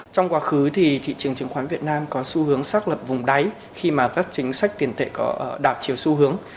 trong quá khứ thì thị trường chứng khoán việt nam có xu hướng xác lập vùng đáy khi mà các chính sách tiền tệ có đảo chiều xu hướng